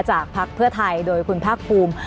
จากพักเพื่อไทยโดยคุณพรรคภูมิ